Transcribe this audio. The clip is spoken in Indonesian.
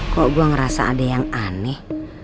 kok gue ngerasa ada yang aneh